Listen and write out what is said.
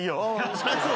そりゃそうだ